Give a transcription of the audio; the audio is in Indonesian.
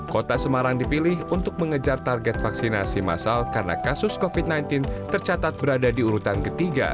kota semarang dipilih untuk mengejar target vaksinasi masal karena kasus covid sembilan belas tercatat berada di urutan ketiga